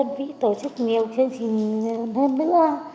các đơn vị tổ chức nhiều chương trình hơn nữa